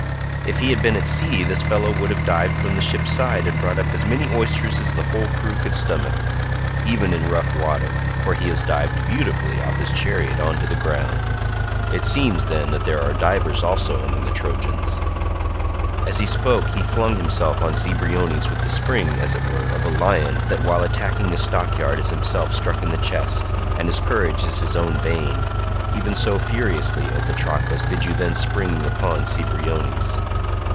If we had been at sea this fellow would have dived from the ship's side and brought up as many oysters as the whole crew could stomach, even in rough water, for he has dived beautifully off his chariot on to the ground. It seems, then, that there are divers also among the Trojans." As he spoke he flung himself on Cebriones with the spring, as it were, of a lion that while attacking a stockyard is himself struck in the chest, and his courage is his own bane—even so furiously, O Patroclus, did you then spring upon Cebriones.